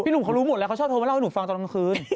หนุ่มเขารู้หมดแล้วเขาชอบโทรมาเล่าให้หนูฟังตอนกลางคืน